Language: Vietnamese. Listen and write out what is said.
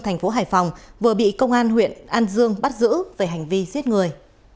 thành phố hải phòng vừa bị công an huyện an dương bắt giữ về hành vi giết người